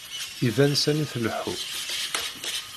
Iban sani tleḥḥu.